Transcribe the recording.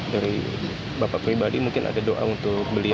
dari bapak pribadi mungkin ada doa untuk beliau